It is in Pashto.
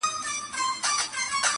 هر څوک يې په خپل نظر ګوري,